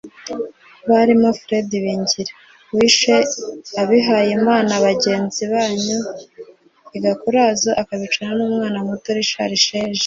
barimo Fred Ibingira wishe abihaye Imana bagenzi banyu i Gakurazo akabicana n’umwana muto Richard Sheja